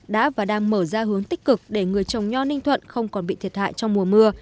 đã và đang mở ra hướng tích cực để người trồng nho ninh thuận không còn bị thiệt hại trong mùa mưa